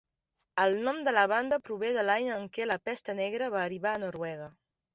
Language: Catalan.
El nom de la banda prové de l'any en què la Pesta Negra va arribar a Noruega.